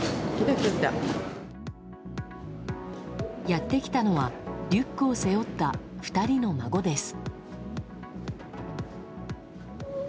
やってきたのはリュックを背負った２人の孫です。